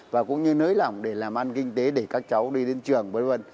và cũng như nới lỏng để làm ăn kinh tế để các cháu đi đến trường v v